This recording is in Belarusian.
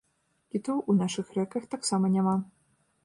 Кітоў у нашых рэках таксама няма.